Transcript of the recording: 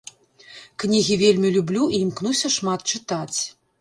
Кнігі вельмі люблю і імкнуся шмат чытаць.